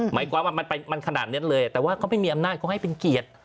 หมายความว่ามันขนาดนั้นเลยแต่ว่าเขาไม่มีอำนาจเขาให้เป็นเกียรติ